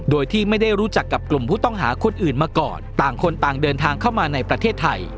โดยที่ไม่ได้รู้จักกับกลุ่มผู้ต้องหาคนอื่นมาก่อนต่างคนต่างเดินทางเข้ามาในประเทศไทย